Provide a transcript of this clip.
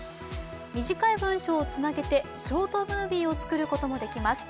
短い文書をつなげてショートムービーを作ることもできます。